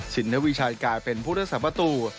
สินทวิชัยกลายเป็นพุทธศาสตร์ประตู